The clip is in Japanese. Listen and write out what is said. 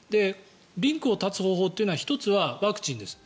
リンクを断つ方法というのは１つはワクチンです。